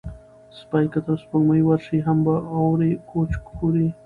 سپى که تر سپوږمۍ ورشي، هم به اوري کوچ کورې